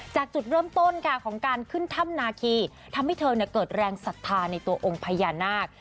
จากจุดเริ่มต้นค่ะของการขึ้นถ้ำนาคีทำให้เธอเกิดแรงศรัทธาในตัวองค์พญานาค